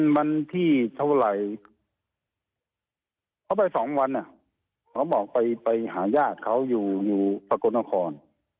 วันที่เท่าไหร่เขาไปสองวันเขาบอกไปหาญาติเขาอยู่อยู่สกลนคร